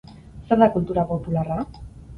Zer da kultura popularra?